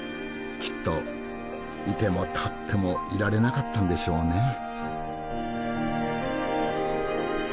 きっと居ても立ってもいられなかったんでしょうね。